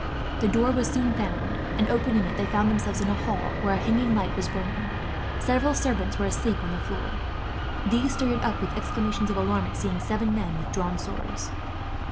The door was soon found and, opening it, they found themselves in a hall where a hanging light was burning. Several servants were asleep on the floor. These started up, with exclamations of alarm, at seeing seven men with drawn swords.